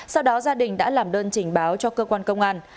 sau đó gia đình đã làm đơn trình báo cho cơ quan công an